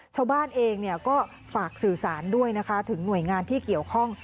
ชาวบ้านเองก็ฝากสื่อสารด้วยนะคะถึงหน่วยงานที่เกี่ยวข้อง